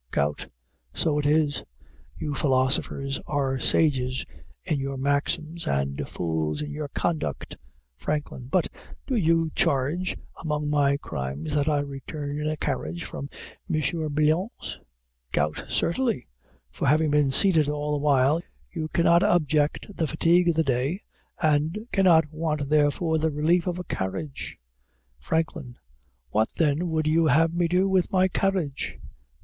GOUT. So it is. You philosophers are sages in your maxims, and fools in your conduct. FRANKLIN. But do you charge among my crimes, that I return in a carriage from M. Brillon's? GOUT. Certainly; for, having been seated all the while, you cannot object the fatigue of the day, and cannot want therefore the relief of a carriage. FRANKLIN. What then would you have me do with my carriage?